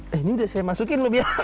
eh ini udah saya masukin lho biar